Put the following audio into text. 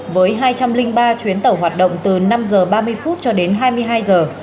với hai trăm linh ba chuyến tàu hoạt động từ năm giờ ba mươi phút cho đến hai mươi hai giờ